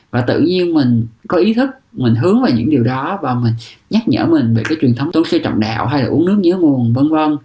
và tự nhiên mình có ý thức mình hướng vào những điều đó và mình nhắc nhở mình về cái truyền thống tôn sư trọng đạo hay là uống nước nhớ nguồn v v